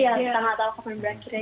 iya kita nggak tahu konten berakhir